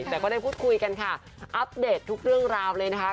แต่ก็ได้พูดคุยกันค่ะอัปเดตทุกเรื่องราวเลยนะคะ